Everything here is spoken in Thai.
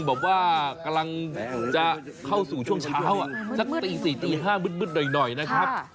บอกว่ากำลังจะเข้าสู่ช่วงเช้าสักตี๔ตี๕มืดหน่อยนะครับ